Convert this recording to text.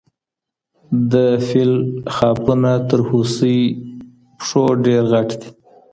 د فیل خاپونه تر هوسۍ پښو ډېر غټ دي.